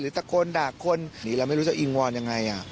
ตะโกนด่าคนนี่เราไม่รู้จะอิงวอนยังไง